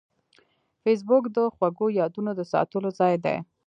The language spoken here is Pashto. فېسبوک د خوږو یادونو د ساتلو ځای دی